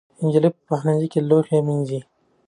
نجلۍ په پخلنځي کې لوښي مینځي.